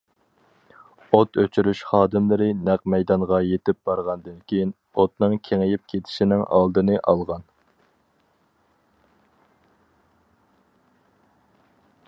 ئوت ئۆچۈرۈش خادىملىرى نەق مەيدانغا يېتىپ بارغاندىن كېيىن، ئوتنىڭ كېڭىيىپ كېتىشىنىڭ ئالدىنى ئالغان.